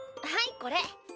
はいこれ。